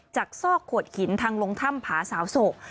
จากซอกขวดขินทางลงถ้ำผาสาวโศก